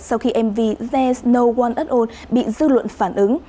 sau khi mv there s no one at all bị dư luận phản ứng